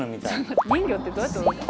人魚ってどうやって泳ぐの？